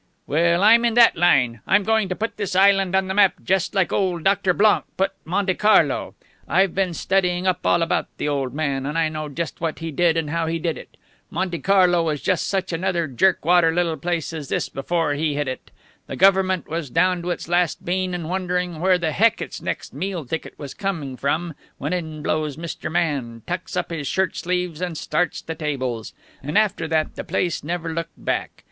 "Well, I'm in that line. I'm going to put this island on the map just like old Doctor Blonk put Monte Carlo. I've been studying up all about the old man, and I know just what he did and how he did it. Monte Carlo was just such another jerkwater little place as this is before he hit it. The government was down to its last bean and wondering where the Heck its next meal ticket was coming from, when in blows Mr. Man, tucks up his shirt sleeves, and starts the tables. And after that the place never looked back.